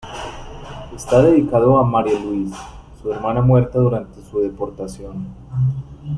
Está dedicado a Marie Louise, su hermana muerta durante su deportación.